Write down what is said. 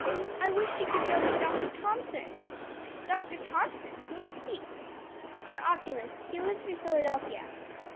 "I wish she could go to Doctor Thomson." "Doctor Thomson! who is he?" "An oculist: he lives in Philadelphia.